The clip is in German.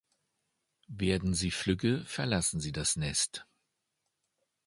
Werden sie flügge, verlassen sie das Nest.